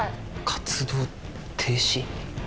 活動停止？